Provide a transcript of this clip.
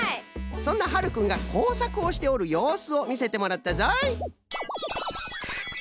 そんなはるくんがこうさくをしておるようすをみせてもらったぞい。